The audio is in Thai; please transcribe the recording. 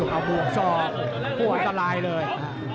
เอาบวกชอบปวดสลายเลย